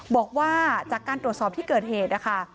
บอกว่าจากการตรวจสอบที่เกิดเหตุนะคะ